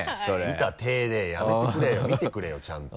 見た体でやめてくれよ見てくれよちゃんと。